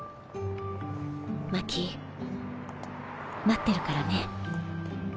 マキ待ってるからね。